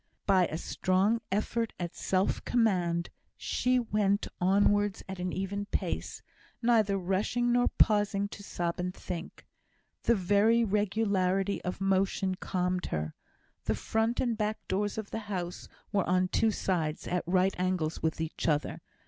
By a strong effort at self command, she went onwards at an even pace, neither rushing nor pausing to sob and think. The very regularity of motion calmed her. The front and back doors of the house were on two sides, at right angles with each other.